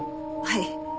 はい。